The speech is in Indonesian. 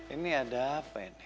ini ada apa ini